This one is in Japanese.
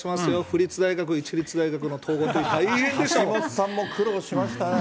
府立大学、市立大学の統合って大橋下さんも苦労しましたね。